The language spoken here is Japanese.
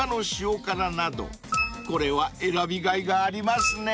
［これは選びがいがありますね］